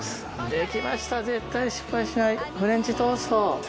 できました絶対失敗しないフレンチトースト！